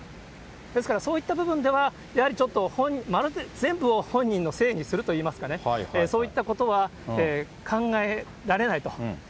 ですから、そういった部分ではやはりちょっと、全部を本人のせいにするといいますかね、そういったことは考えられないと。